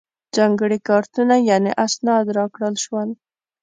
ځانګړي کارتونه یعنې اسناد راکړل شول.